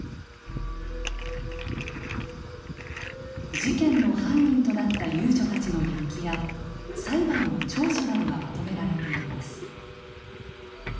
事件の犯人となった遊女たちの日記や裁判の調書などがまとめられています。